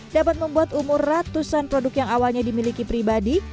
dapat membuat umur ratusan produk yang awalnya dimiliki pribadi